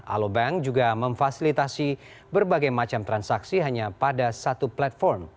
alobank juga memfasilitasi berbagai macam transaksi hanya pada satu platform